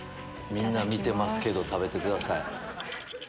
みんな見てますけど食べてください。